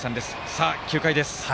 さあ、９回です。